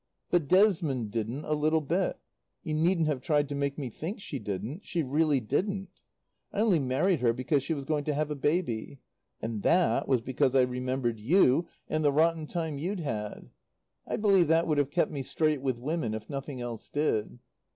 "But Desmond didn't a little bit. You need'nt have tried to make me think she didn't. She really didn't. I only married her because she was going to have a baby. And that was because I remembered you and the rotten time you'd had. I believe that would have kept me straight with women if nothing else did.